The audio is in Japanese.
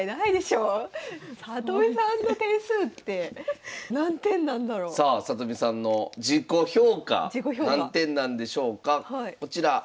里見さんの点数って何点なんだろう？さあ里見さんの自己評価何点なんでしょうかこちら。